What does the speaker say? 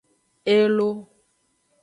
Elo.